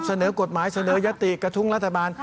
เสนอกฎหมายเสนอยติกระทุ้งรัฐบาล